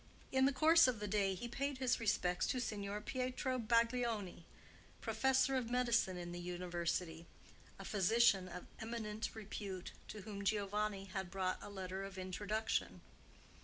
In the course of the day he paid his respects to Signor Pietro Baglioni, professor of medicine in the university, a physician of eminent repute to whom Giovanni had brought a letter of introduction.